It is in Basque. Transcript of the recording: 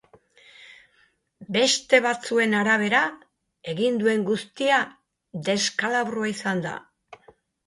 Beste batzuen arabera, egin duen guztia deskalabrua izan da.